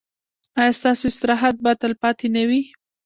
ایا ستاسو استراحت به تلپاتې نه وي؟